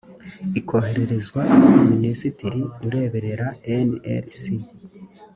ikohererezwa minisitiri ureberera nlc